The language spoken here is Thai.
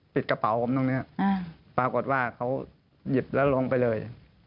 กระเป๋าผมตรงนี้ปรากฏว่าเขาหยิบแล้วลงไปเลย